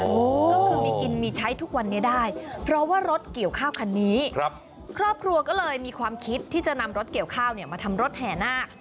ก็คือมีกินมีใช้ทุกวันนี้ได้เพราะว่ารถเกี่ยวข้าวคันนี้ครับครอบครัวก็เลยมีความคิดที่จะนำรถเกี่ยวข้าวเนี่ยมาทำรถแห่นาค